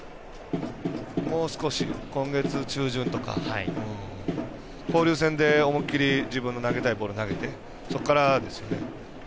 もう少し、今月中旬とか交流戦で思い切り自分の投げたいボールを投げてそこからですよね。